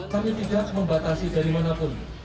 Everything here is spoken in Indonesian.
kami tidak membatasi dari manapun